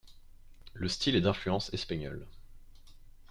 Le style est d'influence espagnole.